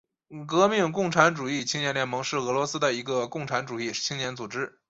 革命共产主义青年联盟是俄罗斯的一个共产主义青年组织。